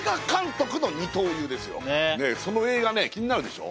その映画ね気になるでしょ。